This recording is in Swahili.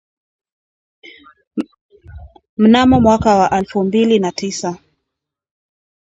Mnamo mwaka wa alfu mbili na tisa